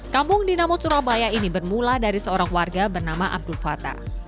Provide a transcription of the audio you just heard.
kampung dinamo surabaya ini bermula dari seorang warga bernama abdul fatah